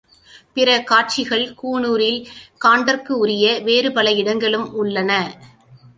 பிற காட்சிகள் கூனூரில் காண்டற்குரிய வேறு பல இடங்களும் உள்ளன.